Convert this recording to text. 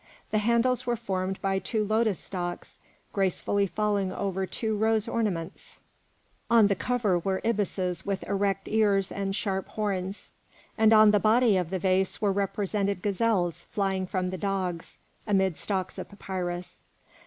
The handles were formed of two lotus stalks gracefully falling over two rose ornaments; on the cover were ibises with erect ears and sharp horns, and on the body of the vase were represented gazelles flying from the dogs amid stalks of papyrus.